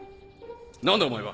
何だお前は。